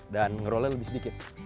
dan ngeroll nya lebih sedikit